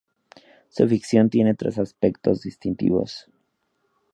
Su ficción tiene tres aspectos distintivos.